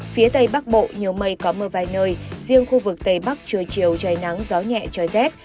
phía tây bắc bộ nhiều mây có mưa vài nơi riêng khu vực tây bắc trưa chiều trời nắng gió nhẹ trời rét